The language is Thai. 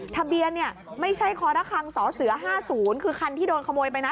ทะเบียนเนี่ยไม่ใช่คอระคังสเส๕๐คือคันที่โดนขโมยไปนะ